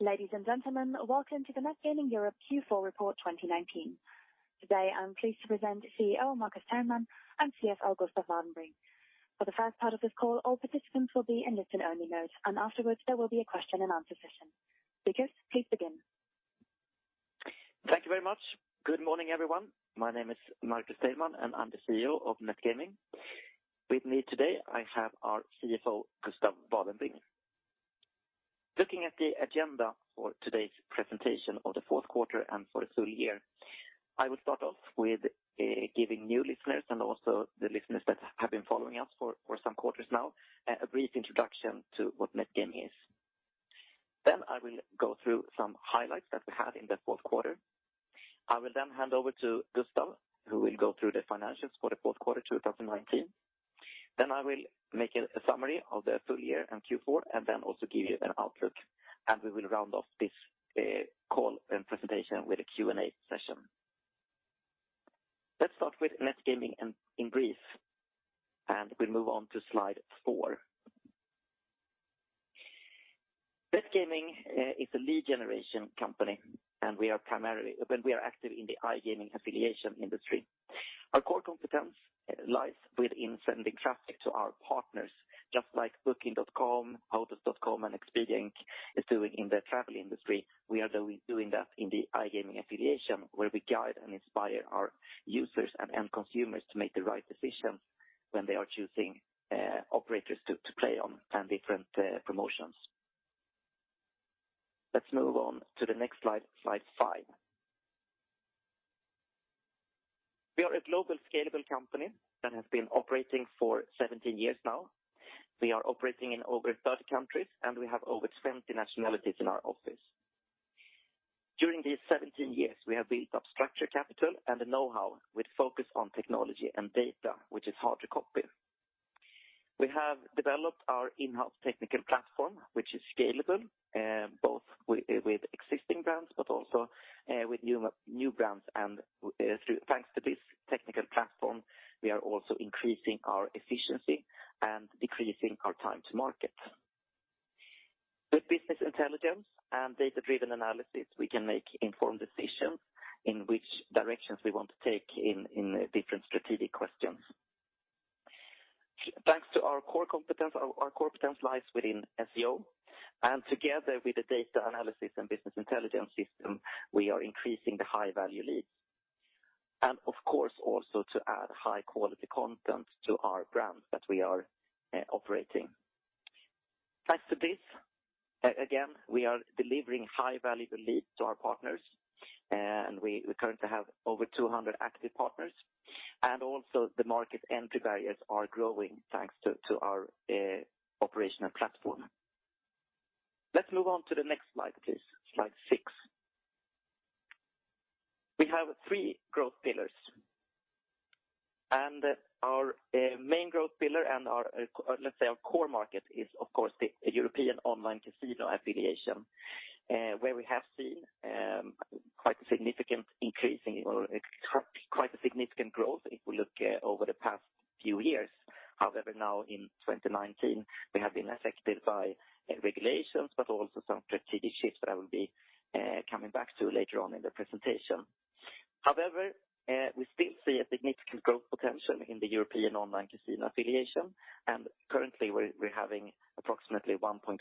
Ladies and gentlemen, welcome to the Net Gaming Europe Q4 Report 2019. Today, I'm pleased to present CEO Marcus Teilman and CFO Gustav Vadenbring. For the first part of this call, all participants will be in listen-only mode, and afterwards, there will be a question-and-answer session. Lucas, please begin. Thank you very much. Good morning, everyone. My name is Marcus Teilman, and I'm the CEO of Net Gaming Europe. With me today, I have our CFO, Gustav Vadenbring. Looking at the agenda for today's presentation of the fourth quarter and for the full year, I will start off with giving new listeners and also the listeners that have been following us for some quarters now a brief introduction to what Net Gaming Europe is. Then, I will go through some highlights that we had in the fourth quarter. I will then hand over to Gustav, who will go through the financials for the fourth quarter 2019. Then, I will make a summary of the full year and Q4, and then also give you an outlook, and we will round off this call and presentation with a Q&A session. Let's start with Net Gaming Europe in brief, and we'll move on to Slide four. Net Gaming Europe is a lead generation company, and we are primarily active in the iGaming affiliation industry. Our core competence lies within sending traffic to our partners, just like Booking.com, Hotels.com, and Expedia Inc. is doing in the travel industry. We are doing that in the iGaming affiliation, where we guide and inspire our users and end consumers to make the right decisions when they are choosing operators to play on and different promotions. Let's move on to the next Slide, Slide five. We are a global scalable company that has been operating for 17 years now. We are operating in over 30 countries, and we have over 20 nationalities in our office. During these 17 years, we have built up structured capital and know-how with focus on technology and data, which is hard to copy. We have developed our in-house technical platform, which is scalable both with existing brands but also with new brands. Thanks to this technical platform, we are also increasing our efficiency and decreasing our time to market. With business intelligence and data-driven analysis, we can make informed decisions in which directions we want to take in different strategic questions. Thanks to our core competence, our core competence lies within SEO, and together with the data analysis and business intelligence system, we are increasing the high-value leads. Of course, also to add high-quality content to our brand that we are operating. Thanks to this, again, we are delivering high-value leads to our partners, and we currently have over 200 active partners. Also, the market entry barriers are growing thanks to our operational platform. Let's move on to the next Slide, please, Slide six. We have three growth pillars, and our main growth pillar and our, let's say, our core market is, of course, the European online casino affiliation, where we have seen quite a significant increase in quite a significant growth if we look over the past few years. However, now in 2019, we have been affected by regulations, but also some strategic shifts that I will be coming back to later on in the presentation. However, we still see a significant growth potential in the European online casino affiliation, and currently, we're having approximately 1.5%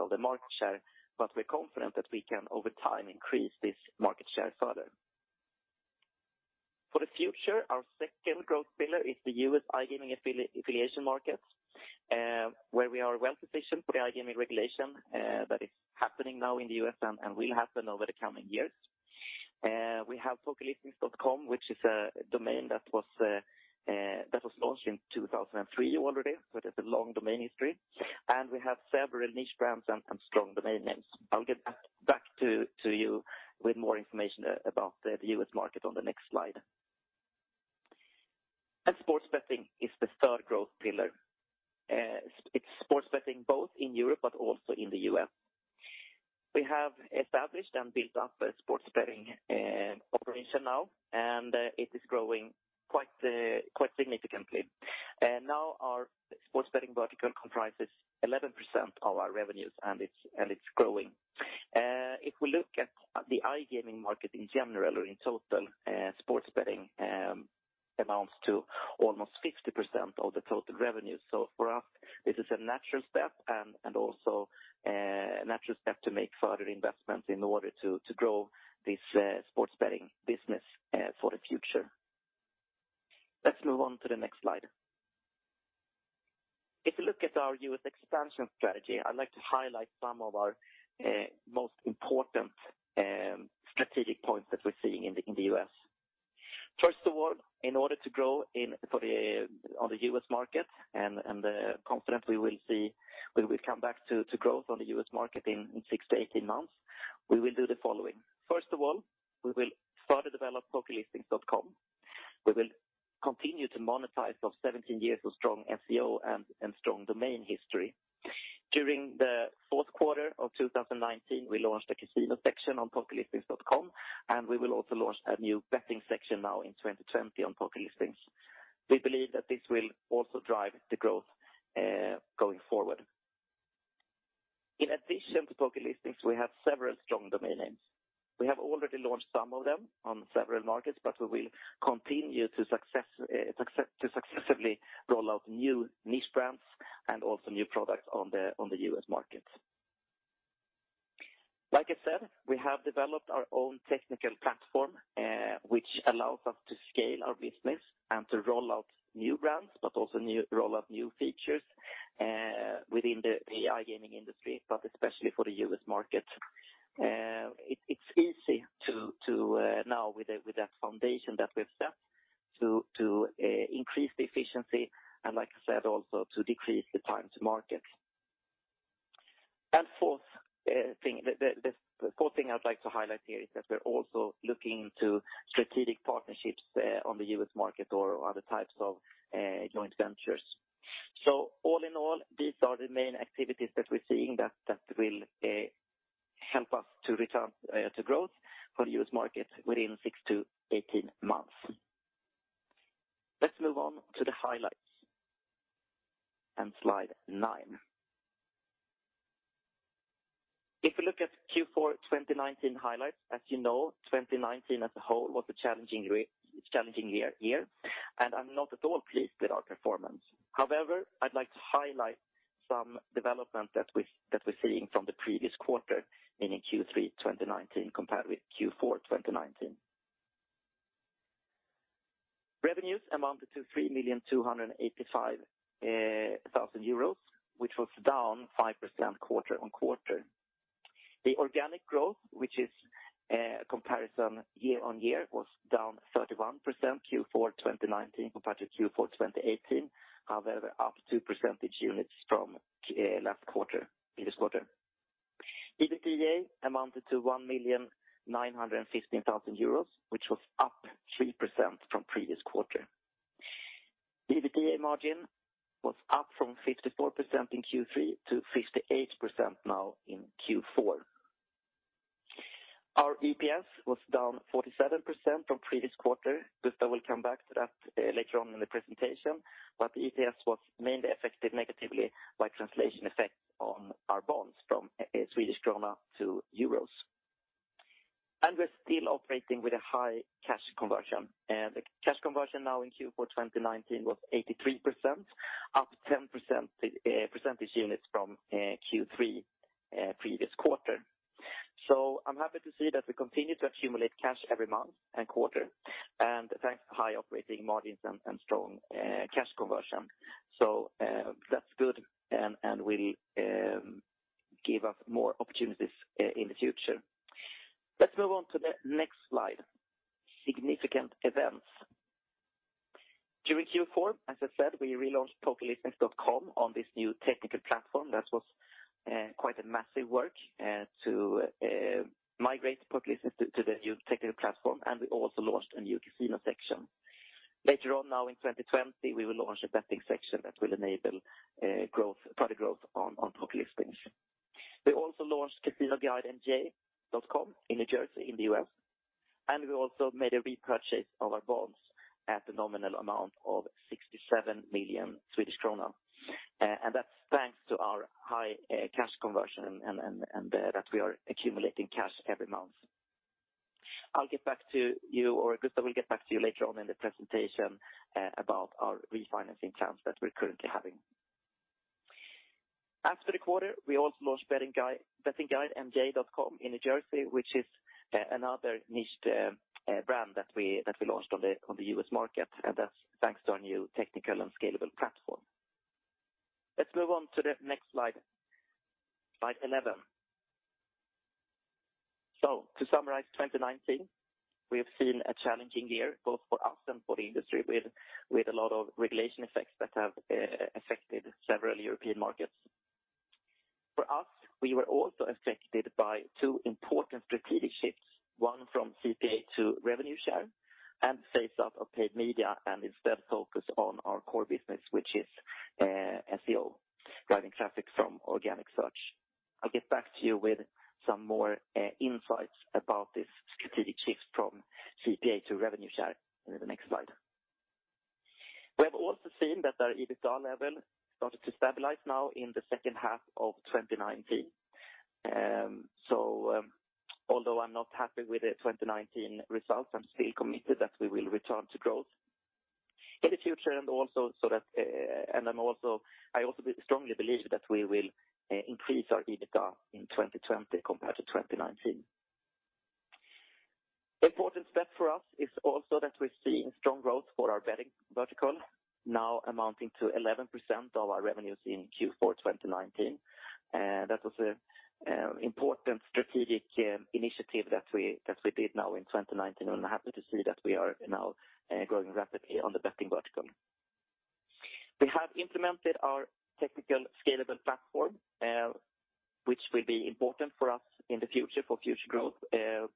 of the market share, but we're confident that we can, over time, increase this market share further. For the future, our second growth pillar is the U.S. iGaming affiliation market, where we are well positioned for the iGaming regulation that is happening now in the U.S. and will happen over the coming years. We have PokerListings.com, which is a domain that was launched in 2003 already, so it has a long domain history, and we have several niche brands and strong domain names. I'll get back to you with more information about the U.S. market on the next Slide, and sports betting is the third growth pillar. It's sports betting both in Europe but also in the U.S. We have established and built up a sports betting operation now, and it is growing quite significantly. Now, our sports betting vertical comprises 11% of our revenues, and it's growing. If we look at the iGaming market in general or in total, sports betting amounts to almost 50% of the total revenue, so for us, this is a natural step and also a natural step to make further investments in order to grow this sports betting business for the future. Let's move on to the next Slide. If you look at our U.S. expansion strategy, I'd like to highlight some of our most important strategic points that we're seeing in the U.S. First of all, in order to grow on the U.S. market, and confident we will see, we will come back to growth on the U.S. market in 6 to 18 months, we will do the following. First of all, we will further develop PokerListings.com. We will continue to monetize our 17 years of strong SEO and strong domain history. During the fourth quarter of 2019, we launched a casino section on PokerListings.com, and we will also launch a new betting section now in 2020 on PokerListings. We believe that this will also drive the growth going forward. In addition to PokerListings, we have several strong domain names. We have already launched some of them on several markets, but we will continue to successively roll out new niche brands and also new products on the U.S. market. Like I said, we have developed our own technical platform, which allows us to scale our business and to roll out new brands, but also roll out new features within the iGaming industry, but especially for the U.S. market. It's easy to, now with that foundation that we've set, to increase the efficiency and, like I said, also to decrease the time to market. Fourth thing, the fourth thing I'd like to highlight here is that we're also looking into strategic partnerships on the U.S. market or other types of joint ventures. So all in all, these are the main activities that we're seeing that will help us to return to growth for the U.S. market within six to 18 months. Let's move on to the highlights and Slide nine. If we look at Q4 2019 highlights, as you know, 2019 as a whole was a challenging year, and I'm not at all pleased with our performance. However, I'd like to highlight some development that we're seeing from the previous quarter, meaning Q3 2019 compared with Q4 2019. Revenues amounted to 3,285,000 euros, which was down 5% quarter on quarter. The organic growth, which is a comparison year on year, was down 31% Q4 2019 compared to Q4 2018, however, up 2 percentage units from last quarter, previous quarter. EBITDA amounted to 1,915,000 euros, which was up 3% from previous quarter. EBITDA margin was up from 54% in Q3 Later on, now in 2020, we will launch a betting section that will enable further growth on PokerListings. We also launched CasinoGuideNJ.com in New Jersey in the U.S., and we also made a repurchase of our bonds at the nominal amount of 67 million Swedish krona. That's thanks to our high cash conversion and that we are accumulating cash every month. I'll get back to you, or Gustav will get back to you later on in the presentation about our refinancing plans that we're currently having. After the quarter, we also launched BettingGuideNJ.com in New Jersey, which is another niche brand that we launched on the U.S. market, and that's thanks to our new technical and scalable platform. Let's move on to the next Slide, Slide 11. So to summarize 2019, we have seen a challenging year both for us and for the industry with a lot of regulation effects that have affected several European markets. For us, we were also affected by two important strategic shifts, one from CPA to revenue share and phase-out of paid media and instead focus on our core business, which is SEO, driving traffic from organic search. I'll get back to you with some more insights about this strategic shift from CPA to revenue share in the next Slide. We have also seen that our EBITDA level started to stabilize now in the second half of 2019. So although I'm not happy with the 2019 results, I'm still committed that we will return to growth in the future and also so that I also strongly believe that we will increase our EBITDA in 2020 compared to 2019. Important step for us is also that we're seeing strong growth for our betting vertical, now amounting to 11% of our revenues in Q4 2019. That was an important strategic initiative that we did now in 2019, and I'm happy to see that we are now growing rapidly on the betting vertical. We have implemented our technical scalable platform, which will be important for us in the future for future growth,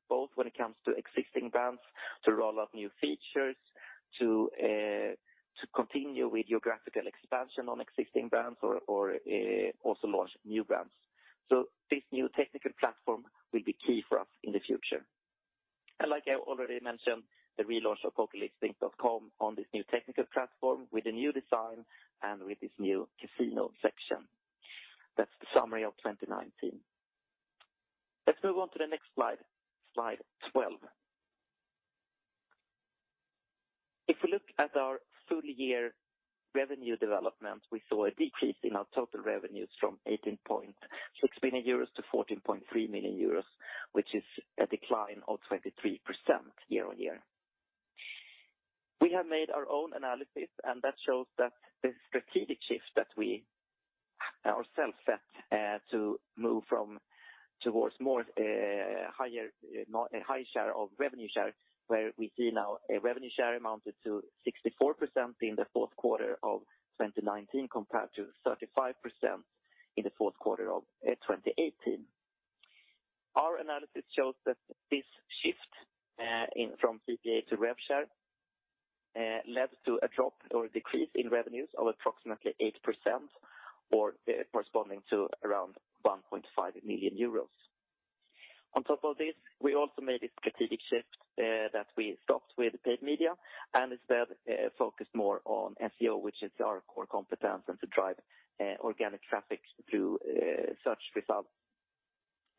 both when it comes to existing brands, to roll out new features, to continue with geographical expansion on existing brands, or also launch new brands. So this new technical platform will be key for us in the future, and like I already mentioned, the relaunch of PokerListings.com on this new technical platform with a new design and with this new casino section. That's the summary of 2019. Let's move on to the next Slide, Slide 12. If we look at our full-year revenue development, we saw a decrease in our total revenues from 18.6 million euros to 14.3 million euros, which is a decline of 23% year on year. We have made our own analysis, and that shows that the strategic shift that we ourselves set to move towards a higher share of revenue share, where we see now a revenue share amounted to 64% in the fourth quarter of 2019 compared to 35% in the fourth quarter of 2018. Our analysis shows that this shift from CPA to rev share led to a drop or decrease in revenues of approximately 8%, or corresponding to around 1.5 million euros. On top of this, we also made this strategic shift that we stopped with paid media and instead focused more on SEO, which is our core competence and to drive organic traffic through search results.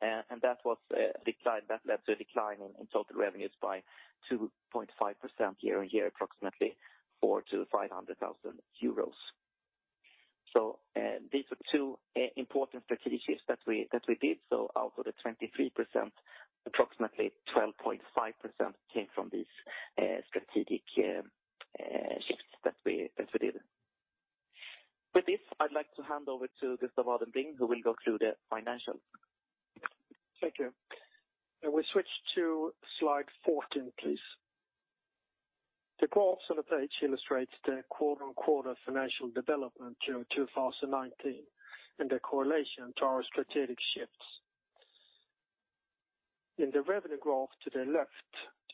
And that was a decline that led to a decline in total revenues by 2.5% year on year, approximately 400,000-500,000 euros. So these were two important strategic shifts that we did. So out of the 23%, approximately 12.5% came from these strategic shifts that we did. With this, I'd like to hand over to Gustav Vadenbring, who will go through the financials. Thank you. And we switch to Slide 14, please. The graph on the Page illustrates the quarter-on-quarter financial development during 2019 and the correlation to our strategic shifts. In the revenue graph to the left,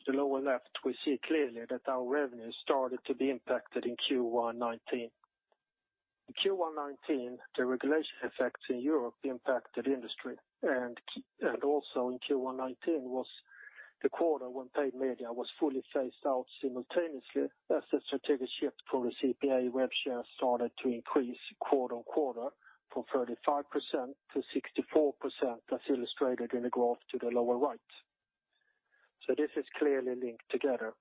to the lower left, we see clearly that our revenue started to be impacted in Q1 2019. In Q1 2019, the regulation effects in Europe impacted industry, and also in Q1 2019 was the quarter when paid media was fully phased out simultaneously as the strategic shift from the CPA rev share started to increase quarter-on-quarter from 35% to 64%, as illustrated in the graph to the lower right. So this is clearly linked together.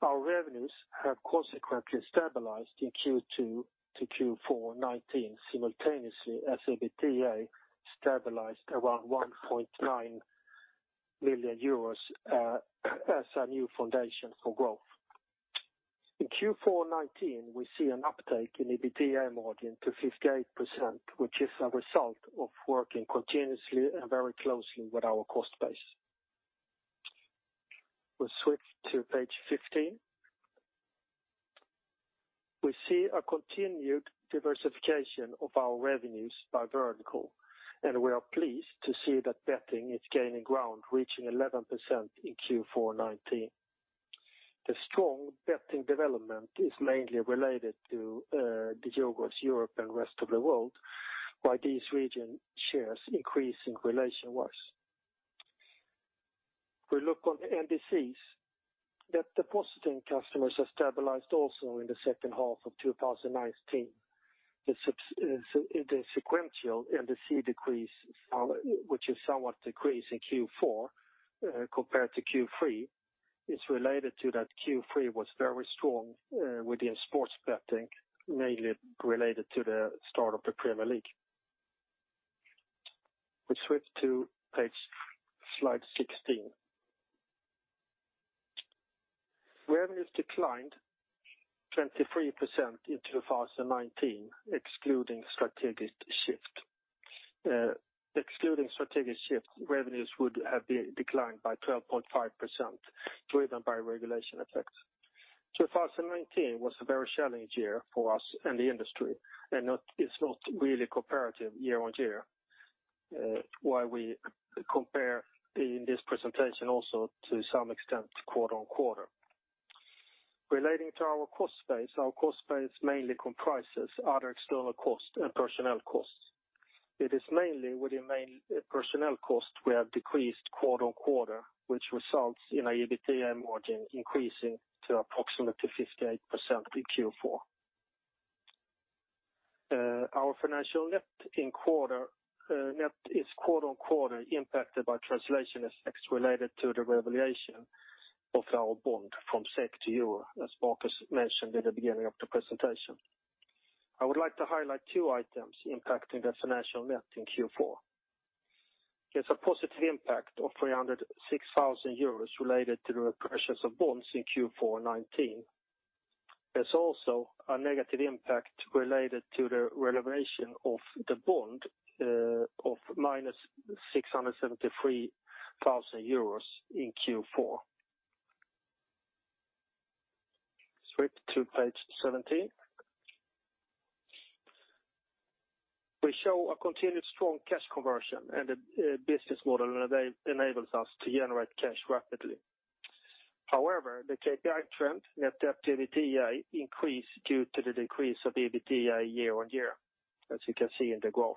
Our revenues have consequently stabilized in Q2 to Q4 2019 simultaneously as EBITDA stabilized around 1.9 million euros as a new foundation for growth. In Q4 2019, we see an uptake in EBITDA margin to 58%, which is a result of working continuously and very closely with our cost base. We'll switch to Page 15. We see a continued diversification of our revenues by vertical, and we are pleased to see that betting is gaining ground, reaching 11% in Q4 2019. The strong betting development is mainly related to the Nordics, Europe, and rest of the world, while these region shares increasing relation-wise. We look on the NDCs that depositing customers have stabilized also in the second half of 2019. The sequential NDC decrease, which is somewhat decreased in Q4 compared to Q3, is related to that Q3 was very strong within sports betting, mainly related to the start of the Premier League. We switch to Slide 16. Revenues declined 23% in 2019, excluding strategic shifts. Excluding strategic shifts, revenues would have declined by 12.5%, driven by regulation effects. 2019 was a very challenging year for us and the industry, and it's not really comparative year on year, while we compare in this presentation also to some extent quarter-on-quarter. Relating to our cost base, our cost base mainly comprises other external costs and personnel costs. It is mainly within main personnel costs we have decreased quarter-on-quarter, which results in our EBITDA margin increasing to approximately 58% in Q4. Our financial net quarter-on-quarter is impacted by translation effects related to the revaluation of our bond from SEK to euro, as Marcus mentioned at the beginning of the presentation. I would like to highlight two items impacting the financial net in Q4. There's a positive impact of 306,000 euros related to the redemptions of bonds in Q4 2019. There's also a negative impact related to the revaluation of the bond of 673,000 euros in Q4. Switch to Page 17. We show a continued strong cash conversion and a business model that enables us to generate cash rapidly. However, the KPI trend, net debt to EBITDA, increased due to the decrease of EBITDA year on year, as you can see in the graph.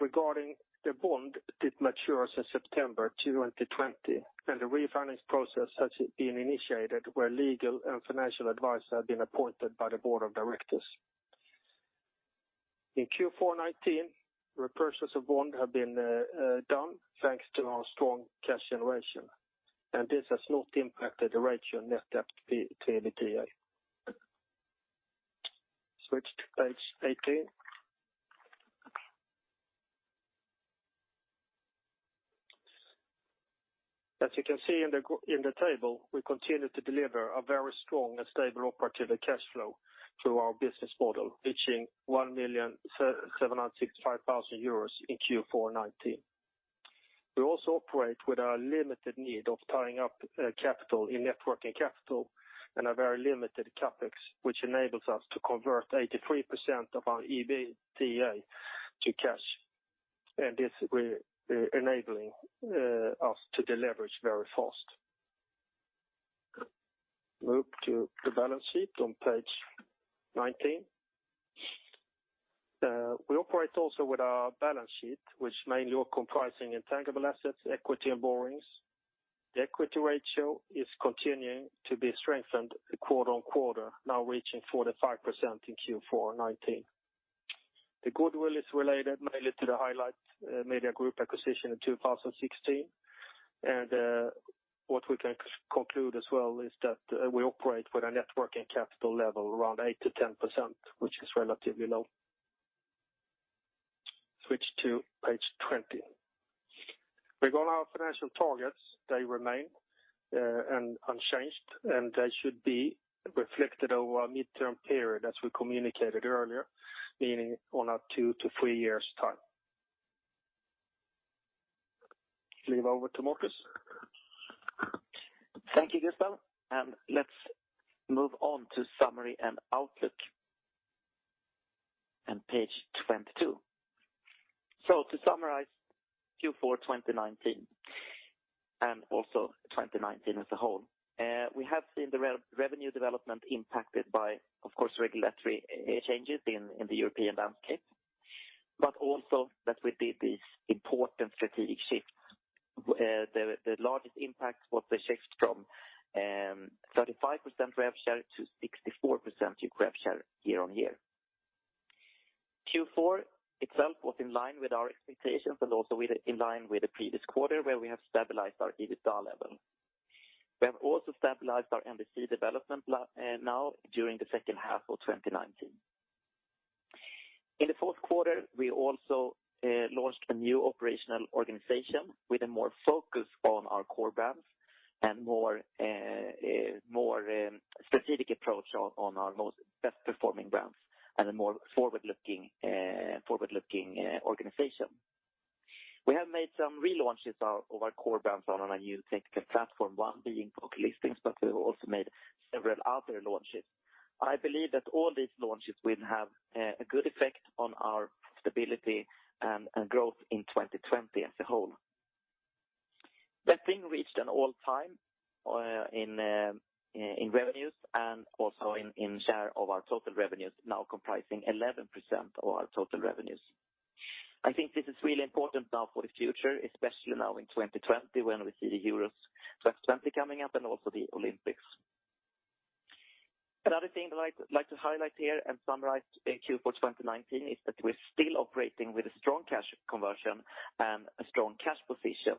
Regarding the bond, it matures in September 2020, and the refinance process has been initiated where legal and financial advisors have been appointed by the board of directors. In Q4 2019, repurchases of bond have been done thanks to our strong cash generation, and this has not impacted the ratio net debt to EBITDA. Switch to Page 18. As you can see in the table, we continue to deliver a very strong and stable operating cash flow through our business model, reaching 1,765,000 euros in Q4 2019. We also operate with a limited need of tying up capital in net working capital and a very limited CapEx, which enables us to convert 83% of our EBITDA to cash, and this is enabling us to deliver very fast. Move to the balance sheet on Page 19. We operate also with our balance sheet, which mainly comprises intangible assets, equity, and borrowings. The equity ratio is continuing to be strengthened quarter-on-quarter, now reaching 45% in Q4 2019. The goodwill is related mainly to the Highlight Media Group acquisition in 2016, and what we can conclude as well is that we operate with a net working capital level around 8%-10%, which is relatively low. Switch to Page 20. Regarding our financial targets, they remain unchanged, and they should be reflected over a midterm period, as we communicated earlier, meaning on a two to three years' time. Leave over to Marcus. Thank you, Gustav, and let's move on to summary and outlook on Page 22. So to summarize Q4 2019 and also 2019 as a whole, we have seen the revenue development impacted by, of course, regulatory changes in the European landscape, but also that we did these important strategic shifts. The largest impact was the shift from 35% rev share to 64% rev share year on year. Q4 itself was in line with our expectations and also in line with the previous quarter where we have stabilized our EBITDA level. We have also stabilized our NDC development now during the second half of 2019. In the fourth quarter, we also launched a new operational organization with a more focus on our core brands and a more specific approach on our most best-performing brands and a more forward-looking organization. We have made some relaunches of our core brands on a new technical platform, one being PokerListings, but we've also made several other launches. I believe that all these launches will have a good effect on our stability and growth in 2020 as a whole. Betting reached an all-time high in revenues and also in share of our total revenues, now comprising 11% of our total revenues. I think this is really important now for the future, especially now in 2020 when we see the Euros 2020 coming up and also the Olympics. Another thing that I'd like to highlight here and summarize Q4 2019 is that we're still operating with a strong cash conversion and a strong cash position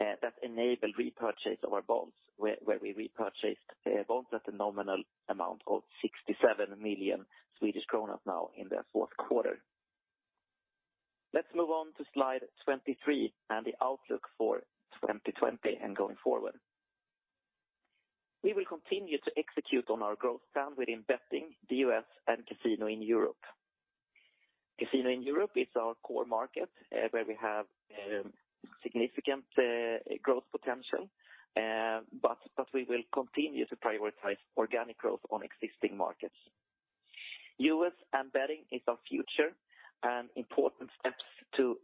that enabled repurchase of our bonds, where we repurchased bonds at a nominal amount of 67 million Swedish kronor now in the fourth quarter. Let's move on to Slide 23 and the outlook for 2020 and going forward. We will continue to execute on our growth plan within betting, odds, and casino in Europe. Casino in Europe is our core market where we have significant growth potential, but we will continue to prioritize organic growth on existing markets. U.S. and betting is our future, and important steps to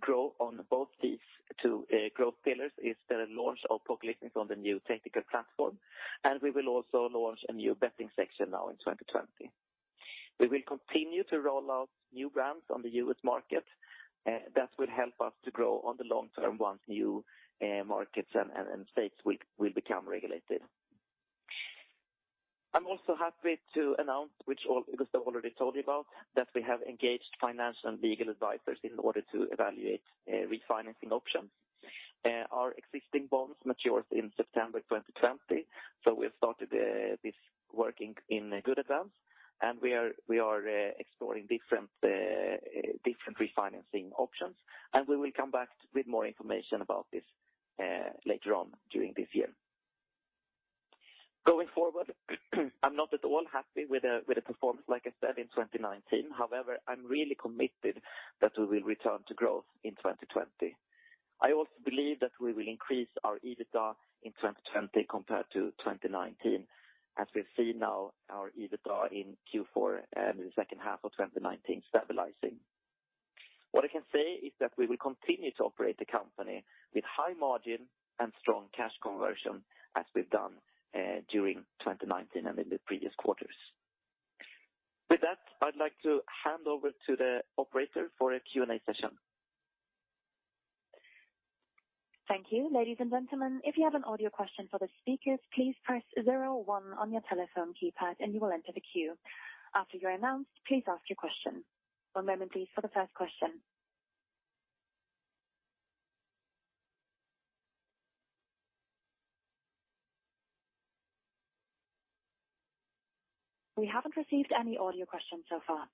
grow on both these two growth pillars is the launch of PokerListings on the new technical platform, and we will also launch a new betting section now in 2020. We will continue to roll out new brands on the U.S. market. That will help us to grow on the long term once new markets and states will become regulated. I'm also happy to announce, which Gustav already told you about, that we have engaged financial and legal advisors in order to evaluate refinancing options. Our existing bonds mature in September 2020, so we have started this work in good advance, and we are exploring different refinancing options, and we will come back with more information about this later on during this year. Going forward, I'm not at all happy with the performance, like I said, in 2019. However, I'm really committed that we will return to growth in 2020. I also believe that we will increase our EBITDA in 2020 compared to 2019, as we've seen now our EBITDA in Q4 and the second half of 2019 stabilizing. What I can say is that we will continue to operate the company with high margin and strong cash conversion, as we've done during 2019 and in the previous quarters. With that, I'd like to hand over to the operator for a Q&A session. Thank you. Ladies and gentlemen, if you have an audio question for the speakers, please press zero one on your telephone keypad and you will enter the queue. After you're announced, please ask your question. One moment, please, for the first question. We haven't received any audio questions so far.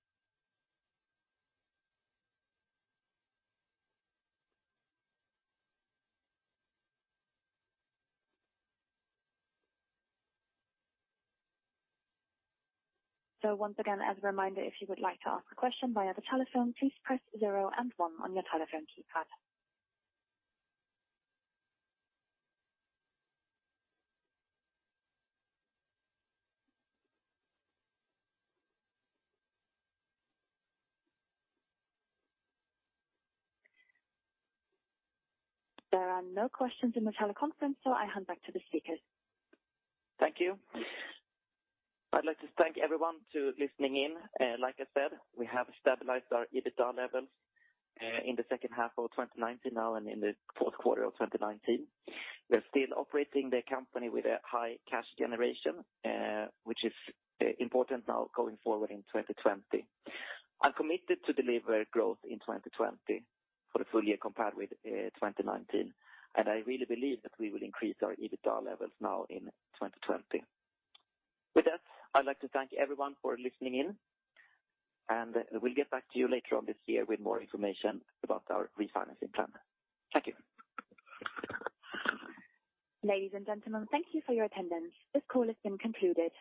So once again, as a reminder, if you would like to ask a question via the telephone, please press zero one on your telephone keypad. There are no questions in the teleconference, so I hand back to the speakers. Thank you. I'd like to thank everyone for listening in. Like I said, we have stabilized our EBITDA levels in the second half of 2019 now and in the fourth quarter of 2019. We're still operating the company with a high cash generation, which is important now going forward in 2020. I'm committed to deliver growth in 2020 for the full year compared with 2019, and I really believe that we will increase our EBITDA levels now in 2020. With that, I'd like to thank everyone for listening in, and we'll get back to you later on this year with more information about our refinancing plan. Thank you. Ladies and gentlemen, thank you for your attendance. This call has been concluded.